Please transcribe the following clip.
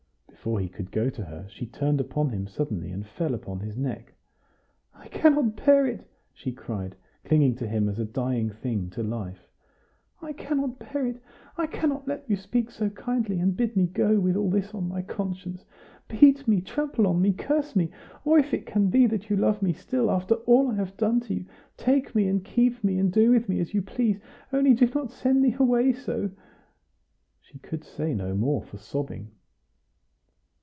Before he could go to her she turned upon him suddenly, and fell upon his neck. "I cannot bear it!" she cried, clinging to him as a dying thing to life "I cannot bear it! I cannot let you speak so kindly, and bid me go, with all this on my conscience. Beat me! trample on me! curse me! Or if it can be that you love me still, after all I have done to you, take me and keep me, and do with me as you please; only do not send me away so!" She could say no more for sobbing.